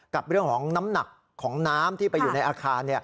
กับเรื่องของน้ำหนักของน้ำที่ไปอยู่ในอาคาร